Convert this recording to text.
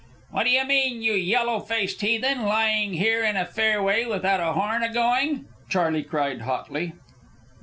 "What d'ye mean, you yellow faced heathen, lying here in a fairway without a horn a going?" Charley cried hotly.